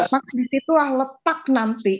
maka disitulah letak nanti